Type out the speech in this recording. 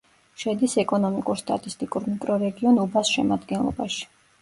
შედის ეკონომიკურ-სტატისტიკურ მიკრორეგიონ უბას შემადგენლობაში.